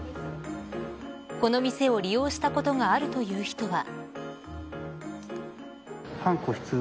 この店を利用したことがあるという人は。